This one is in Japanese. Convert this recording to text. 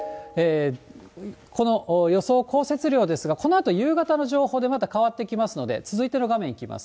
この予想降雪量ですが、このあと夕方の情報でまた変わってきますので、続いての画面いきます。